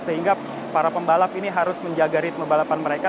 sehingga para pembalap ini harus menjaga ritme balapan mereka